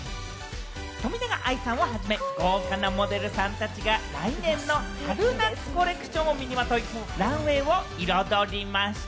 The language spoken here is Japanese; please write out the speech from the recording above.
冨永愛さんをはじめ、豪華なモデルさんたちが来年の春・夏コレクションを身にまとい、ランウェイを彩りました。